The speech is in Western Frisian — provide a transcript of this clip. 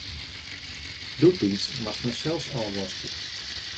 Doetiids moasten wy sels ôfwaskje.